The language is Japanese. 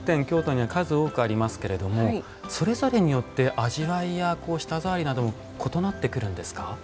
京都には数多くありますけれどもそれぞれによって味わいや舌ざわりなども異なってくるんですか？